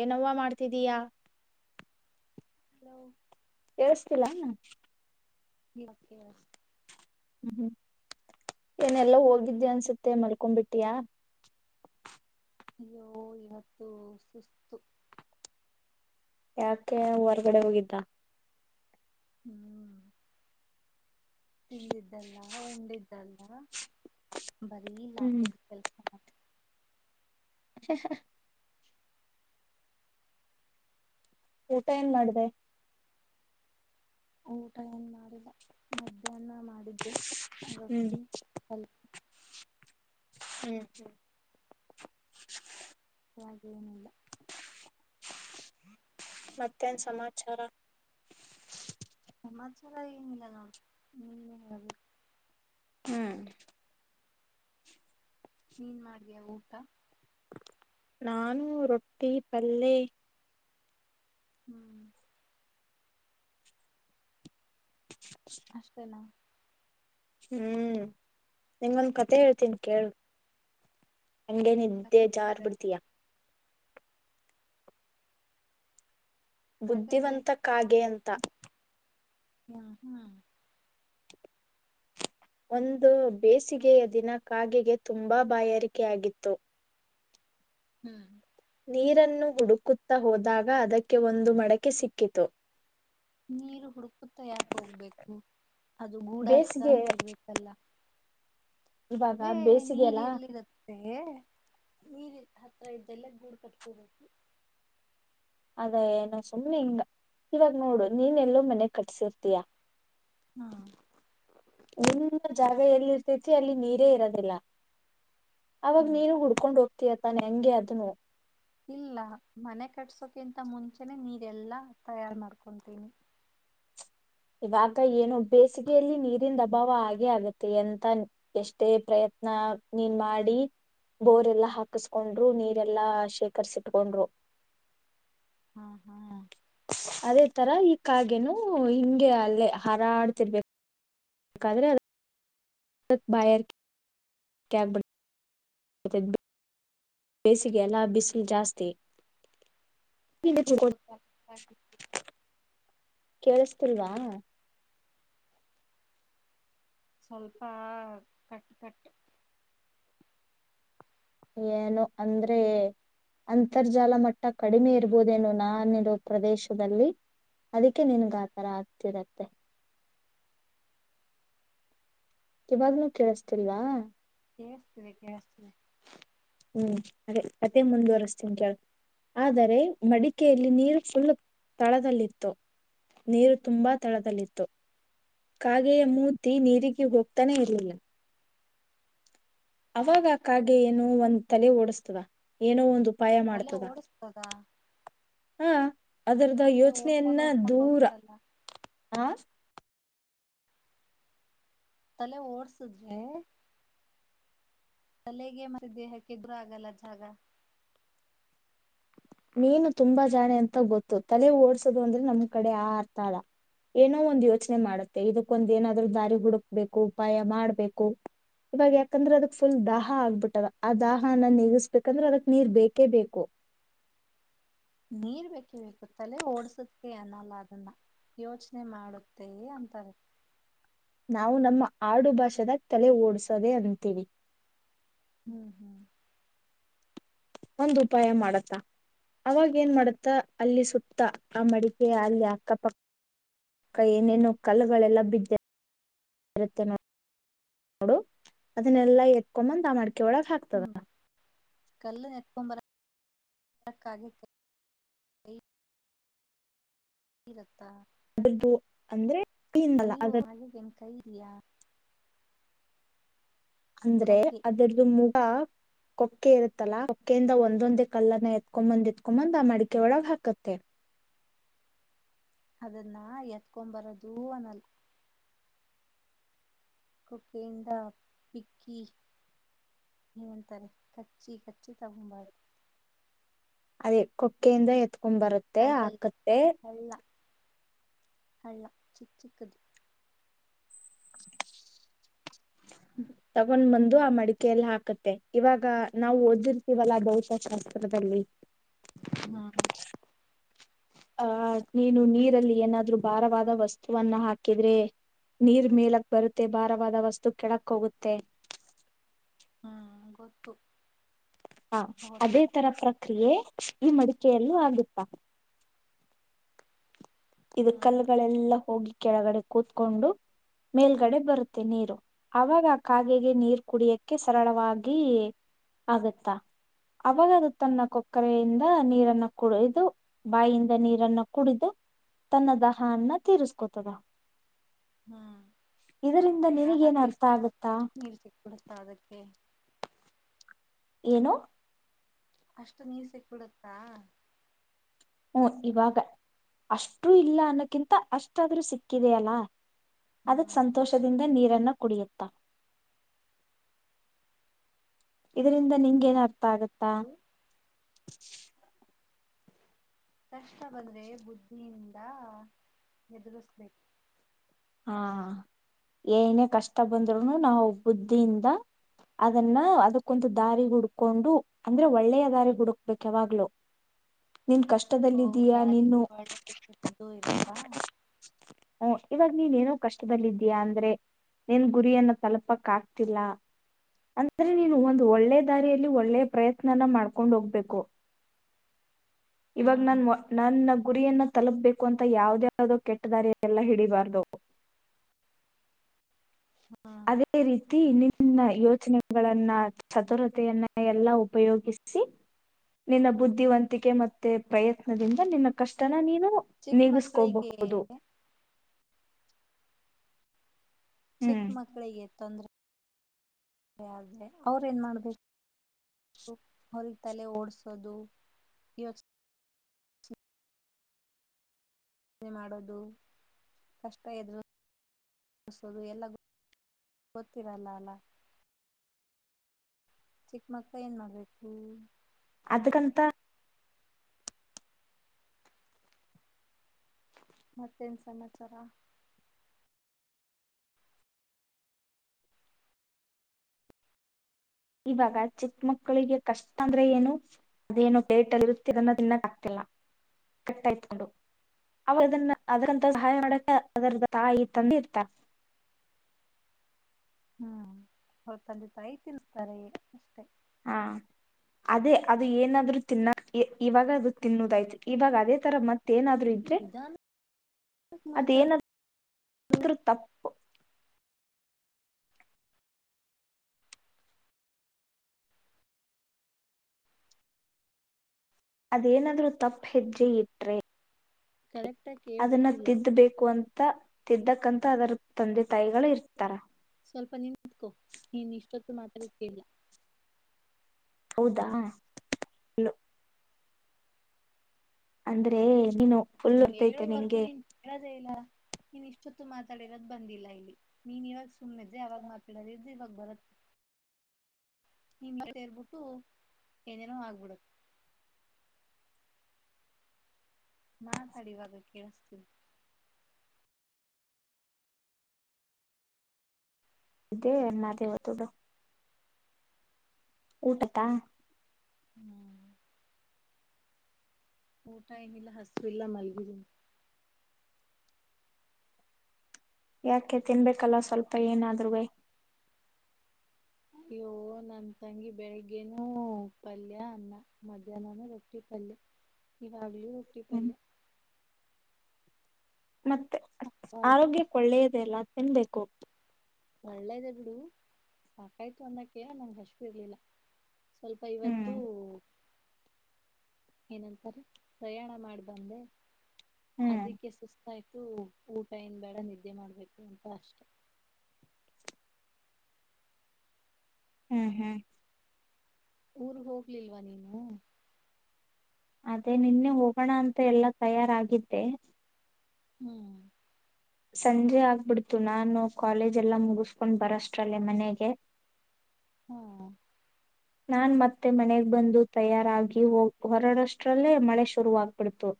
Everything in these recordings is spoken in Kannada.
ಏನವ್ವ ಮಾಡ್ತಿದ್ದೀಯಾ. ಹಲೋ. ಎಳ್ಸ್ತಿಲ್ಲೇ ನ. [unintelligible] ಹ್ಮ್ ಹ್ಮ್ ಏನೆಲ್ಲ ಹೋಗಿದ್ದೆ ಅನ್ಸುತ್ತೆ ಮಲ್ಕೊಬಿಟ್ಟಿಯ. ಅಯ್ಯೋ ಇವತ್ತು ಸುಸ್ತು. ಯಾಕೆ ಹೊರ್ಗಡೆ ಹೋಗಿದ್ದ. ಹ್ಮ್. ತಿಂದಿದ್ದಲ್ಲಾ ಉಂಡಿದ್ದ ದ್ದೆಲಾ ಬರೀ ಹ್ಮ್ ಲಾಕೋಡ್ ಕೆಲ್ಸ ನಮ್ದ್ [unintelligible] ಊಟ ಏನ್ ಮಾಡ್ದೆ. ಊಟ ಏನ್ ಮಾಡಿಲ್ಲ ಮಧ್ಯಾಹ್ನ ಮಾಡಿದ್ದೆ. ಹ್ಮ್ ರಕಿಲ್ ಹ್ಮ್ ಹ ಹಾಗ ಏನಿಲ್ಲ ಮತ್ತೇನ್ ಸಮಾಚಾರ ಸಮಾಚಾರ ಏನಿಲ್ಲ ಹ್ಮ ಹ್ಮ್ ನೀನ್ ಮಾಡ್ ದ್ಯಾ ಊಟ ನಾನು ರೊಟ್ಟಿ ಪಲ್ಲೆ ಹ್ಮ್ ಅಷ್ಟೇನಾ ಹ್ಮ್ ನಿಂಗೊಂದ್ ಕತೆ ಹೇಳ್ತೀನಿ ಕೇಳ್ ಹಂಗೆ ನೀನ್ ನಿದ್ದೆ ಕತೆ ಜಾರ್ ಬಿಡ್ತೀಯಾ ಕತೆ ಬೇರೆ ಬುದ್ಧಿವಂತ ಕಾಗೆ ಅಂತ ಹಾ ಹ್ಮ ಒಂದು ಬೇಸಿಗೆಯ ದಿನ ಕಾಗೆಗೆ ತುಂಬಾ ಬಾಯಾರಕೆಯಾಗಿತ್ತು ಹ್ಮ್. ನೀರನ್ನು ಹುಡುಕುತ್ತಾ ಹೋದಾಗ ಅದಕ್ಕೆ ಒಂದು ಮಡಕೆ ಸಿಕ್ಕಿತು. ಬೇಸಿಗೆ [inaudible] ಇವಾಗ ಇಗೆ ಬೇಸಿಗೆ ನೀರ್ ಅಲ್ಲಾ ಎಲ್ಲಿರುತ್ತೆ. ನೀರ್ ಹತ್ರ ಇದ್ದಲ್ಲ ಗೂಡ್ ಕಟ್ಕೋಬೇಕು. ಅದ ಏನ ಸುಮ್ನೆ ಹಿಂಗ ಇವಾಗ ನೋಡು ನೀನ್ ಎಲ್ಲೋ ಮನೆ ಕಟ್ಟಿಸಿರ್ತಯಾ. ಹಾ. ಒಂದು ಜಾಗ ಎಲ್ಲಿ ಇರ್ತತಿ ಅಲ್ಲಿ ನೀರೇ ಇರೋದಿಲ್ಲ. ಅವಾಗ ಹ್ಮ್ ನೀನು ಹುಡ್ಕೊಂಡ್ ಹೋಗ್ತ ತಾನೆ ಹಂಗೆ ಅದುನು, ಇಲ್ಲ ಮನೆ ಕಟ್ಸೋಕಿಂತ ಮುಂಚೆನೆ ನೀರೆಲ್ಲಾ ತಯಾರ್ ಮಾಡ್ಕೊತೀನಿ. ಇವಾಗ ಏನು ಬೇಸಿಗೆಯಲ್ಲಿ ನೀರಿಂದ ಅಭಾವ ಹಾಗೇ ಆಗತ್ತೆ. ಅಂತ ಎಷ್ಟೇ ಪ್ರಯತ್ನ ನೀನ್ ಮಾಡಿ ಬೋರ್ ಎಲ್ಲ ಹ್ಮ ಹಾಕಸ್ಕೊಂಡ್ರು, ನೀರ್ ಎಲ್ಲಾ ಶೇಖರ್ಸಿಟ್ಕೊಂಡ್ರು, ಹಾ, ಹಾ ಅದೇ ತರ ಈ ಕಾಗೇನು ಹಿಂಗೆ ಅಲ್ಲೇ ಹರಾಡ್ತಿರ್ಬೇಕದ್ರೆ, ಅಧಿಕ್ ಬಾಯಾರಿಕೆ ಆಗ್ಬಿಡ್ತು, [inaudible] ಬೇಸಿಗೆ ಎಲ್ಲಾ ಬಿಸಿಲು ಜಾಸ್ತಿ. [inaudible] ಕೇಳಿಸ್ತಿಲ್ವಾ, ಸ್ವಲ್ಪ ಕಟ್, ಕಟ್ ಏನೋ ಅಂದ್ರೆ ಅಂತರ್ಜಾಲ ಮಟ್ಟ ಕಡಿಮೆ ಇರ್ಬೋದೇನು, ನಾನಿರೋ ಪ್ರದೇಶದಲ್ಲಿ ಅದಕ್ಕೆ ನಿನಗಾ ಥರ ಆಗ್ತಿರತ್ತೆ. ಇವಾಗ್ನೂ ಕೇಳಿಸ್ತಿಲ್ವಾ. ಕೇಳಿಸ್ತಿದೆ, ಕೇಳಿಸ್ತಿದೆ ಹ್ಮ್ ಅದೇ ಕತೆ ಮುಂದುವರೆಸ್ತೀನ್ ಕೇಳು ಆದರೆ ಮಡಿಕೆಯಲ್ಲಿ ನೀರು ಫುಲ್ ತಳದಲ್ಲಿತ್ತು. ನೀರು ತುಂಬಾ ತಳದಲ್ಲಿತ್ತು. ಕಾಗೆಯ ಮೂತಿ ನೀರಿಗೆ ಹೋಗ್ತಾನೆ ಇರ್ಲಿಲ್ಲ. ಅವಾಗ ಆ ಕಾಗೆ ಏನೋ ಒಂದ್ ತಲೆ ಓಡಸ್ತದ ಏನೋ ಒಂದು ಉ ತಲೆ ಓಡಸ್ತದ. ಹಾ. ಅದರದ್ದ ಓಡ್ಕೊಂಡ್ ಯೋಚನೆಯನ್ನ ಓಡ್ಕೊಂಡ್ ದೂರ ಹೋಗ್ಬಿಡಲ್ಲ ಆ ತಲೆ ಓಡ್ಸುದ್ರೆ ತಲೆಗೆ ಮತ್ತೆ ದೇಹಕ್ಕೆ ಎದುರು ಆಗಲ್ಲ. ಜಾಗ ನೀನು ತುಂಬಾ ಜಾಣೆ ಅಂತ ಗೊತ್ತು. ತಲೆ ಓಡ್ಸೋದು ಅಂದ್ರೆ ನಮ್ ಕಡೆ ಆ ಅರ್ಥ ಅಲ್ಲ. ಏನೋ ಒಂದ್ ಯೋಚನೆ ಮಾಡುತ್ತೆ ಇದಕ್ಕೊಂದು ಏನಾದ್ರು ದಾರಿ ಹುಡುಕ್ಬೇಕು, ಉಪಾಯ ಮಾಡ್ಬೇಕು, ಇವಾಗ ಯಾಕಂದ್ರೆ ಅದಕ್ ಫುಲ್ ದಾಹ ಆಗ್ಬಿಟ್ಟದ. ಆ ದಾಹನ್ನ ನೀಗಸ್ಬೇಕಂದ್ರೆ ಅದಕ್ ನೀರ್ ಬೇಕೇ ಬೇಕು. ನೀರ್ ಬೇಕೇ ಬೇಕು. ತಲೆ ಓಡ್ಸಕ್ಕೆ ಅನ್ನ ಲ್ಲ ಅದನ್ನ ಯೋಚನೆ ಮಾಡುತ್ತೇ ಅಂತಾರೆ. ನಾವು ನಮ್ಮ ಆಡು ಭಾಷೆದಾಗ ತಲೆ ಓಡ್ಸೋದೆೇ ಅಂತೀವಿ. ಹ್ಮ್, ಹ್ಮ್ ಒಂದ್ ಉಪಾಯ ಮಾಡತ್ತ, ಅವಾಗ ಏನ್ ಮಾಡತ್ತ, ಅಲ್ಲಿ ಸುತ್ತ ಆ ಮಡಿಕೆ ಅಲ್ಲಿ ಅಕ್ಕಪಕ್ಕಕ್ಕ ಏನೇನು ಕಲ್ಲುಗಳೆಲ್ಲ ಬಿದ್ದ ಇರುತ್ತೆ ನೋಡು ಅದನ್ನೆಲ್ಲಾ ಎತ್ಕೊ ಬಂದ್ ಆ ಮಡಿ ಕೆ ಒಳಗ ಹಾಕ್ತದ. ಕಲ್ಲುನ ಎತಕೂಂಡ ಬರಕ ಹಾಗುತ್ತ ಈವತ್ತ ಅದು ಅಂದ್ರೆ ಹ್ಯೂ ಅಲ್ಲ ಅದ ಅವರಿಗೆನ ಕೈ ಇಲ್ಲವ ಅಂದ್ರೆ ಕೊಕ್ಕೆ ಅದರ್ದು ಮುಖ ಕೊಕ್ಕೆ ಇರುತ್ತಲಾ ಕೊಕ್ಕೆೆಯಿಂದ ಒಂದೊಂದೇ ಕಲ್ಲನ್ನ ಎತ್ಕೊಂಬಂದ್ ಎತ್ಕೊಂಬಂದ್ ಆ ಮಡಿಕೆ ಒಳಗೆ ಹಾಕತ್ತೆ ಅದನ್ನ ಎತ್ಕೊ ಬರಂದು ಅನ್ನಲ್ಲ ಕುಕ್ಕೆಯಿಂದ ಪಿಕ್ಕಿ ಏನಂತಾರೆ ಕಚ್ಚಿ ಕಚ್ಚಿ ಬಾದ ಅದೇ ಕೊಕ್ಕೆೆಯಿಂದ ಎತ್ ಕುಂಬರತ್ತೆ ಆಕತ್ತೆ ಅಲ್ಲ ಚಿ ಚಿಕ್ಕದ [unintelligible] ತಗೊಂಡ್ ಬಂದ ದು ಆ ಮಡಿಕೆ ಎಲ್ಲ ಹಾಕತ್ತೆ ಇವಾಗ ನಾವು ಓದಿರ್ತೀವಲ್ಲಾ ಭೌತಶಾಸ್ತ್ರದಲ್ಲಿ ಹಾ ಆಹ ನೀನು ನೀರಲ್ಲಿ ಏನಾದ್ರರು ಭಾರವಾದ ವಸ್ತುವನ್ನ ಹಾಕಿದ್ರೆ ನೀರ್ ಮೇಲಕ್ ಬರುತ್ತೆ ಭಾರವಾದ ವಸ್ತು ಕೆಳಕ್ ಹೋಗುತ್ತೆ ಹ್ಮ್ ಗೊತ್ತು ಹಾ ಅದೇ ತರ ಭೌತಶಾಸ್ತ್ರ ಪ್ರಕ್ರಿಯೆ ಈ ಮಡಿಕೆಯಲ್ಲೂ ಆಗುತ್ತಾ ಇದು ಹ್ಮ್ ಕಲ್ಲುಗಳೆಲ್ಲಾ ಹೋಗಿ ಕೆಳಗಡೆ ಕೂತ್ಕೊಂಡು ಮೇಲ್ಗಡೆ ಬರುತ್ತೆ ನೀರು ಅವಾಗ ಕಾಗೆಗೆ ನೀರು ಕುಡಿಯಕ್ಕೆ ಸರಳವಾಗಿ ಆಗತ್ತ ಅವಾಗ ಅದು ತನ್ನ ಕೊಕ್ಕರೆಯಿಂದ ನೀರನ್ನ ಕುಡಿದು ಬಾಯಿಂದ ನೀರನ್ನ ಕುಡಿದು ತನ್ನ ದಹ ಅನ್ನ ತೀರಿಸಕೊತದ ಹ್ಮ್ ದಾ ಹ ಅರ್ಥ ತೀರಸಕೂಳಕ್ಕೆ ಆಗತ್ತಾ ನೀರ್ ಸಿಕ್ಬಿಡತ ಅದಕ್ಕೆ ಏನು ಅಷ್ಟು ನೀರ ಸಿಕ್ಕಬಿಡುತ್ತಾ ಹ್ಮ ಇವಾಗ ಅಷ್ಟೂ ಇಲ್ಲ ಅನ್ನೋಕ್ಕಿಂತ ಅಷ್ಟಾದ್ರೂ ಸಿಕ್ಕಿದೆ ಅಲ್ಲ ಅದಕ್ಕೆ ಹ್ಮ್ ಸಂತೋಷದಿಂದ ನೀರನ್ನು ಕುಡಿಯತ್ತ ಇದರಿಂದ ನಿನ್ಗೆ ಏನ್ ಅರ್ಥ ಆಗತ್ತಾ [inaudible] ಕಷ್ಟ ಬಂದ್ರೆ ಬುದ್ಧಿಯಿಂದ ಎದುರಿಸ್ಬೇಕು ಹಾ ಏನೇ ಕಷ್ಟ ಬಂದ್ರು ನಾವು ಬುದ್ಧಿಯಿಂದ ಅದನ್ನ ಅದಕ್ಕೊಂದು ದಾರಿ ಹುಡ್ಕೊಂಡು ಅಂದ್ರೆ ಒಳ್ಳೆಯ ದಾರಿ ಹುಡ್ಕ್ಬೇಕ್ ಯಾವಾಗ್ಲು ಓ ದಾರಲಿ ಒಳ್ಳೆದ್ದು ಕೆಟ್ಟದು ಇರತ್ತಾ ಹ ಇವಾಗ ನೀನ್ ಏನೋ ಕಷ್ಟದಲ್ಲಿದ್ದೀಯಾ ಅಂದ್ರೆ ನೀನ್ ಗುರಿಯನ್ನ ತಲುಪಕ್ ಆಗ್ತಿಲ್ಲ ಅಂದ್ರೆ ನೀನು ಒಂದು ಒಳ್ಳೆ ದಾರಿಯಲ್ಲಿ ಒಳ್ಳೆ ಪ್ರಯತ್ನನ ಮಾಡ್ಕೊಂಡ್ ಹೋಗ್ಬೇಕು ಇವಾಗ ಹ್ಮ್ ನಾನ್ ನನ್ನ ಗುರಿಯನ್ನ ತಲುಪಬೇಕು ಅಂತ ಯಾವುದ್ಯಾದೋ ಕೆಟ್ಟದಾರಿ ಎಲ್ಲ ಹಿಡಿಬಾರ್ದು ಹ್ಮ್ ಅದೇ ರೀತಿ ನಿನ್ನ ಯೋಚನೆಗಳನ್ನ ಚತುರತೆಯನ್ನ ಎಲ್ಲ ಉಪಯೋಗಿಸಿ ನಿನ್ನ ಬುದ್ಧಿವಂತಿಕೆ ಮತ್ತೆ ಪ್ರಯತ್ನದಿಂದ ನಿನ್ನ ಕಷ್ಟನ ನೀನು ಚಿಕ್ಕ ನೀಗಿಸ್ಕೋಬಹುದು. ಮಕ್ಕಳಿಗೆ ಚಿಕ್ಕ ಹ್ಮ್ ಮಕ್ಳಿಗೆ ತೊಂದ್ರೆ ಆದ್ರೆ ಅವ್ರೇನ್ ಮಾಡ್ಬೇಕು ಅವ್ರಿಗೆ ತಲೆ ಓಡ್ಸೋದು ಇವತ್ ಯೋಚನೆ ಮಾಡೋದು ಕಷ್ಟ ಇದುರ್ಸೋದು ಎಲ್ಲ ಗೊತ್ತಿರಲ್ಲ ಅಲ್ಲ ಚಿಕ್ಕಮಕ್ಕಳ ಏನ್ ಮಾಡ್ಬೇಕು ಅದಕ್ಕಂತ ಮತ್ತೇನ್ ಸಮಾಚಾರ ಇವಾಗ ಚಿಕ್ಕ ಮಕ್ಕಳಿಗೆ ಕಷ್ಟ ಅಂದ್ರೆ ಏನು ಅದೇನು ಪೇಟ ಅಲ್ಲಿ ಇರುತ್ತೀರನ್ನೋ ತಿನ್ನಕ್ ಆಗ್ತಿಲ್ಲ ಕಟ್ಟಾಯಕೊಂಡು ಅವ್ರ ಅದನ್ನ ಅದ್ರಂತ ಸಹಾಯ ಮಾಡಕ ಅದರ ತಾಯಿ ತಂದ ಇರ್ತಾರ ಹ್ಮ್ ಅವ್ರ ತಂದೆ ತಾಯಿ ತತೀರಾಸ್ತಾರೆ ಅಷ್ಟೆ ಹಾ ಅದೇ ಅದು ಏನಾದ್ ತಿನ್ನ ಇವಾಗ ಅದು ತಿನ್ನುದಾಯ್ತು ಇವಾಗ ಅದೇ ತರ ಮತ್ತ ಏನಾದ್ರೂ ಇದ್ರೆ ನಿಧಾನಕ್ ಮಾತಾಡ ಅದೇನಾದ್ರೂ ತಪ್ಪು ಅದೇನಾದ್ರೂ ತಪ್ ಹೆಜ್ಜೆ ಇಟ್ರೆ ಕರೆಕ್ಟ್ ಆಗಿ ಅದನ್ನ ಕೇಳಿಸ್ತಿಲ್ಲ ತಿದ್ದಬೇಕು ಅಂತ ತಿದ್ದಕ್ಕಂತ ಅದರ ತಂದೆ ತಾಯಿಗಳು ಇರ್ತಾರ ಸ್ವಲ್ಪ ನಿಂತ್ಕೊ ನೀನ್ ಇಷ್ಟೊತ್ತು ಮಾತಾಡದ್ ಕೇಳಿಸಿಲ್ಲ ಹೌದಾ ಲೋ ಅಂದ್ರೆ ನೀನು ಫುಲ್ ನೀ ಇರ್ತೈತೆ ಹೇಳೋವರ್ಗು ನಿಂಗೆ ನೀನ್ ಹೇಳೋದೇ ಇಲ್ಲ ನೀನ್ ಇಷ್ಟೊತ್ತು ಮಾತಾಡಿರೋದು ಬಂದಿಲ್ಲ ಇಲ್ಲಿ ನೀನ್ ಇವಾಗ ಸುಮ್ಮ್ ಇದ್ರೆ ಅವಾವಾಗ ಮಾತಾಡದಿದೆ ಇವಾಗ ಬರತ್ತೆ ನಿನ್ ಸೇರ್ಬಿಟ್ಟು ಏನೇನೋ ಆಗ್ಬಿಡತ್ತ ಮಾತಾಡಿ ಇವಾಗ ಕೇಳಿಸ್ತಾಐತೆ ಇದೇ ಒಂದು ಮಾತ್ ಹೇಳುತ್ತಿದು ಊಟದಾ ಹ್ಮ್ ಊಟ ಏನಿಲ್ಲ ಹಸ್ವಿಲ್ಲ ಇಲ್ಲ ಮಲ್ಗಿದ್ಧಿನಿ ಯಾಕೆ ತಿನ್ಬೇಕಲ್ಲ ಸ್ವಲ್ಪ ಏನಾದ್ರುವೇ ಅಯ್ಯೋ ನನ್ ತಂಗಿ ಬೆಳಿಗ್ಗೆನೂ ಪಲ್ಯ ಅನ್ನ ಮಧ್ಯಾಹ್ನನೂ ರೊಟ್ಟಿ ಪಲ್ಯ ಇವಾಗ ಹ್ಮ್ ಕಟ್ಟಿತ್ತಲ್ಲ [unintelligible] ಮತ್ತೆ ಸಾಕಾಯ್ತು ಆರೋಗ್ಯಕ್ಕ್ ಒಳ್ಳೆಯದೆ ಅಲ್ಲ ಎನ್ಬೇಕು ಒಳ್ಳೇದೆ ಬಿಡು ಸಾಕಾಯ್ತು ಅಂದಕ ನಂಗಗೆ ಹಸ ಇರ್ಲಿಲ್ಲ ಸ್ವಲ್ಪ ಇವತ್ತು ಹ್ಮ್ ಏನಂತಾರೆ ಪ್ರಯಾಣ ಮಾಡಿ ಬಂದೆ ಹ್ಮ್ ಅದಕ್ಕೆ ಸುಸ್ತಾಯ್ತು ಊಟ ಇನ್ ಬೇಡ ನಿದ್ದೆ ಮಾಡ್ಬೇಕು ಅಂತ ಅಷ್ಟೆ ಹ್ಮ್ ಹ್ಮ್ ಊರ್ ಹೋಗ್ಲಿಲ್ವಾ ನೀನು ಅದೇ ನಿನ್ನೆ ಹೋಗೋಣ ಅಂತ ಎಲ್ಲಾ ತಯಾರಾಗಿದ್ದೆ ಹ್ಮ್ ಸಂಜೆ ಆಗ್ಬಿಡ್ತು ನಾನು ಕಾಲೇಜ ಎಲ್ಲ ಮುಗಿಸಕೊಂಡ್ ಬರಷ್ಟ್ರಲ್ಲೇ ಮನೆಗೆ ಹ್ಮ ನಾ ಮತ್ತೆ ಮನೆಗೆ ಬಂದು ತಯಾರಾಗಿ ಹ ಹೊರಡಷ್ಟ್ರಲ್ಲೇ ಮಳೆ ಶುರುವಾಗ್ಬಿಡ್ತು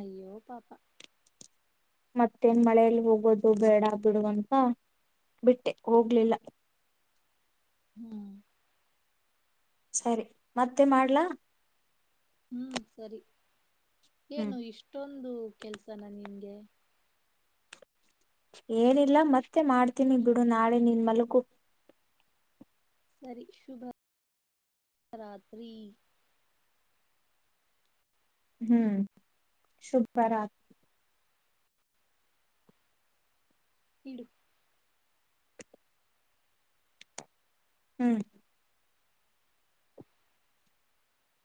ಅಯ್ಯೋ ಪಾಪಾ ಮತ್ತೇನ್ ಮಳೇೆಯಲ್ಲಿ ಹೋಗೋದು ಬೇಡ ಬಿಡುುವಂತ ಬಿಟ್ಟೆ ಹೋಗ್ಲಿಲ್ಲ ಹ್ಮ್ ಸರಿ ಮತ್ತೆ ಮಾಡ್ಲಾ ಹ್ಮ್ ಸರಿ ಹ್ಮ್ ಏನು ಇಷ್ಟೊಂದು ಒಂದು ಕೆಲ್ಸನಾ ನಿಂಗೆ ಏನಿಲ್ಲ ಮತ್ತೆ ಮಾಡ್ತೀನಿ ಬಿಡು ನಾಳೆ ನಿನ್ ಮಲಕು ಸರಿ ಶುಭ ರಾತ್ರಿ ಹ್ಮ್ ಶುಭ ಬರತ್ ಇಡು ಹ್ಮ್